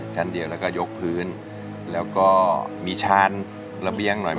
ชั้นเดียวแล้วก็ยกพื้นแล้วก็มีชานระเบียงหน่อย